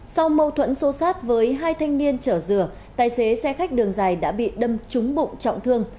sau mâu thuẫn xô sát với hai thanh niên chở dừa tài xế xe khách đường dài đã bị đâm trúng bụng trọng thương